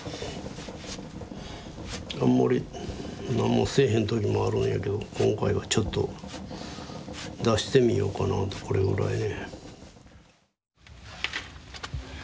あんまりなんもせえへんときもあるんやけど今回はちょっと出してみようかなとこれぐらいね。